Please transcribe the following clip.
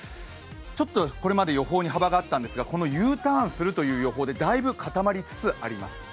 ちょっとこれまで予報に幅が合ったんですがＵターンするという予報でだいぶ固まりつつあります。